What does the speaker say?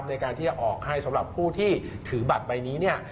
ในการที่จะออกให้สำหรับผู้ที่ถือบัตรใบนี้เนี่ย